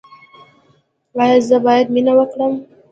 ایا زه باید مینه وکړم؟